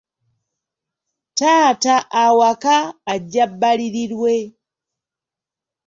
Taata awaka ajja bbalirirwe.